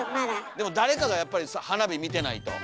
でも誰かがやっぱり花火見てないと。